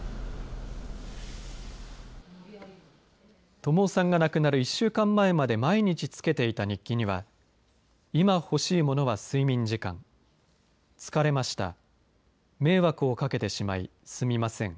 友生さんが亡くなる１週間前まで毎日つけていた日記には今ほしいものは睡眠時間疲れました迷惑をかけてしまいすみません。